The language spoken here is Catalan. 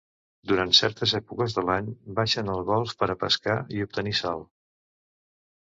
Durant certes èpoques de l'any baixen al Golf per a pescar i obtenir sal.